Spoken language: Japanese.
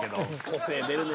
個性出るね。